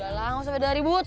jalankan gak usah beda ribut